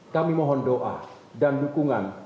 kami mohon doa dan dukungan